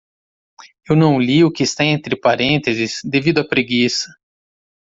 Eu não li o que está entre parênteses devido à preguiça.